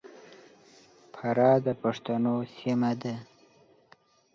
فراه د پښتنو سیمه ده.